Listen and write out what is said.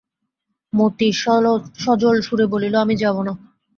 মতি সজলসুরে বলিল, আমি যাব না।